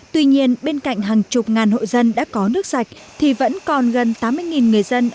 tuy nhiên bên cạnh hàng chục ngàn hộ dân đã có nước sạch thì vẫn còn gần tám mươi người dân